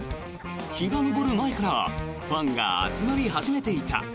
日が昇る前からファンが集まり始めていた。